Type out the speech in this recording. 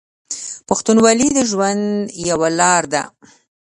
پښتونولي د ژوند یوه لار ده.